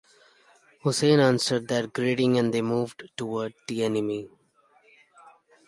Hussain answered their greeting and they moved toward the enemy.